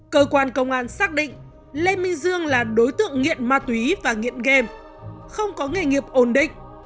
cơ quan công an xác định lê minh dương là đối tượng nghiện ma túy và nghiện game không có nghề nghiệp ổn định